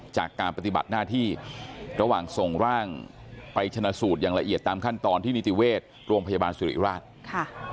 จากการปฏิบัติหน้าที่ระหว่างส่งร่างไปชนะสูตรอย่างละเอียดตามขั้นตอนที่นิติเวชโรงพยาบาลสุริราชค่ะ